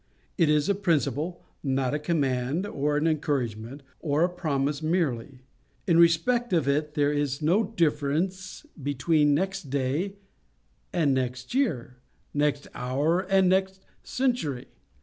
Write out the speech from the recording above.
It is a principle, not a command, or an encouragement, or a promise merely. In respect of it there is no difference between next day and next year, next hour and next century.